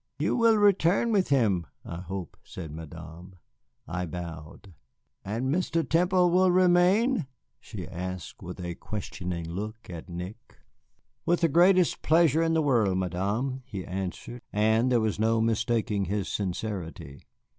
"You will return with him, I hope," said Madame. I bowed. "And Mr. Temple will remain?" she asked, with a questioning look at Nick. "With the greatest pleasure in the world, Madame," he answered, and there was no mistaking his sincerity.